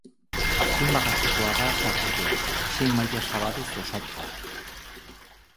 Azpimarratzekoa da sarbidea, sei maila zabalez osatua.